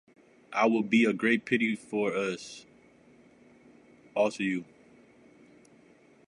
It will be a great pity, for it will alter you.